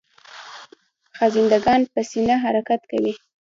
خزنده ګان په سینه حرکت کوي